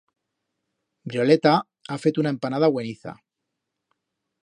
Vrioleta ha feto una empanada bueniza.